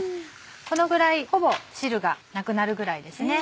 このぐらいほぼ汁がなくなるぐらいですね。